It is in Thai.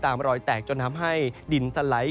ตามรอยแตกจนทำให้ดินสลัย